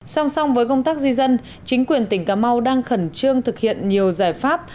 song song với công tác di dân chính quyền tỉnh cà mau đang khẩn trương thực hiện nhiều giải pháp